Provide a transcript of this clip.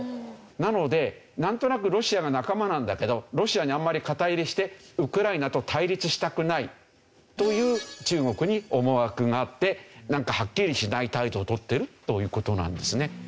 なのでなんとなくロシアが仲間なんだけどロシアにあんまり肩入れしてウクライナと対立したくないという中国に思惑があってなんかはっきりしない態度をとってるという事なんですね。